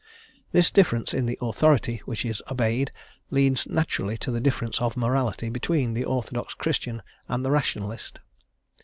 This difference in the authority which is obeyed leads naturally to the difference of morality between the orthodox Christian and the Rationalist.